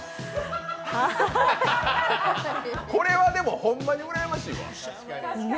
これはでも、ホンマにうらやましいわ。